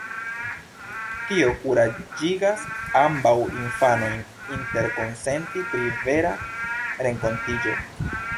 Tio kuraĝigas ambaŭ infanojn interkonsenti pri "vera" renkontiĝo.